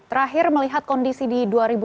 terakhir melihat kondisi di dua ribu dua puluh